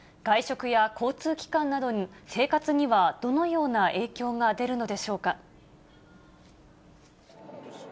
外食や交通機関など、生活にはどのような影響が出るのでしょうか。